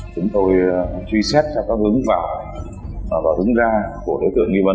chúng tôi truy xét cho các hướng vào và hướng ra của đối tượng nghi vấn